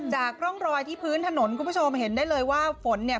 จากร่องรอยที่พื้นถนนคุณผู้ชมเห็นได้เลยว่าฝนเนี่ย